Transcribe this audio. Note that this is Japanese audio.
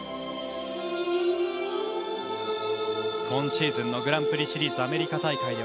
今シーズンのグランプリシリーズアメリカ大会